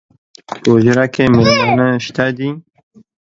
پۀ حجره کې میلمانۀ شته دي